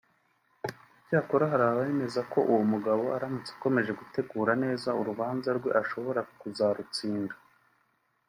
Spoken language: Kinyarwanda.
Icyakora hari n’abemeza ko uwo mugabo aramutse akomeje gutegura neza urubanza rwe ashobora kuzarutsinda